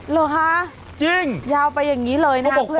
เหรอคะยาวไปอย่างนี้เลยนะเพื่อน